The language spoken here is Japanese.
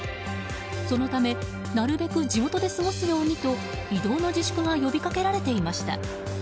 そのため、なるべく地元で過ごすようにと移動の自粛が呼びかけられていました。